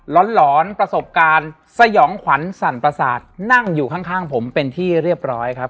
ร้อนประสบการณ์สยองขวัญสั่นประสาทนั่งอยู่ข้างผมเป็นที่เรียบร้อยครับ